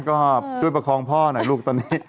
ก็ช่วยประคองพ่อหน่อยลูกตอนนี้